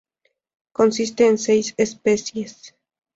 Consiste en seis especies.